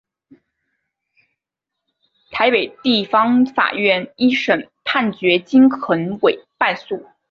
台北地方法院一审判决金恒炜败诉。